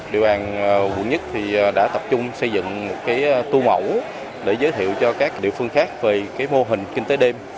địa bàn quận một đã tập trung xây dựng tu mẫu để giới thiệu cho các địa phương khác về mô hình kinh tế đêm